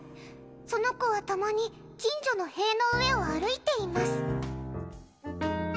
その子はたまに近所の塀の上を歩いています。